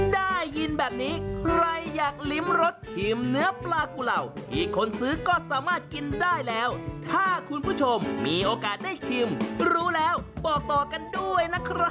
ได้ยินแบบนี้ใครอยากลิ้มรสชิมเนื้อปลากุเหล่าที่คนซื้อก็สามารถกินได้แล้วถ้าคุณผู้ชมมีโอกาสได้ชิมรู้แล้วบอกต่อกันด้วยนะครับ